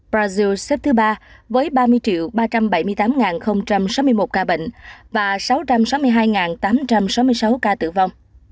brazil xếp thứ ba với ba mươi ba trăm bảy mươi tám sáu mươi một ca bệnh và sáu trăm sáu mươi hai tám trăm sáu mươi sáu ca tử vong